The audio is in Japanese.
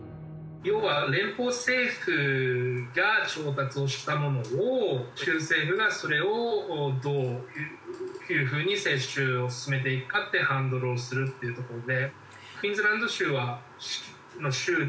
要は連邦政府が調達をしたものを州政府がそれをどういう風に接種を進めていくかってハンドルをするっていうところで。